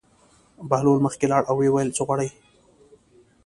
بهلول مخکې لاړ او ویې ویل: څه غواړې.